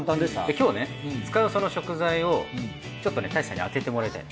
今日ね使うその食材をちょっとね太一さんに当ててもらいたい。